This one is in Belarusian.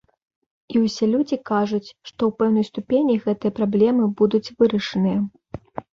І ўсе людзі кажуць, што ў пэўнай ступені гэтыя праблемы будуць вырашаныя.